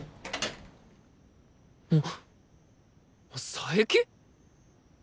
佐伯！？